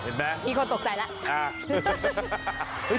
เห็นไหมมีคนตกใจแล้วอ่า